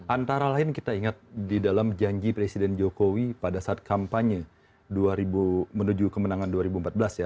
antara lain kita ingat di dalam janji presiden jokowi pada saat kampanye menuju kemenangan dua ribu empat belas ya